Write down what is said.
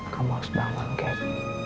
kamu harus bangun kak